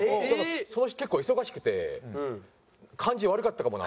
その日結構忙しくて感じ悪かったかもなって。